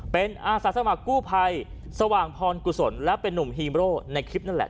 เป็นอาสาสมัครกู้ภัยสว่างพรกุศลและเป็นนุ่มฮีโร่ในคลิปนั่นแหละ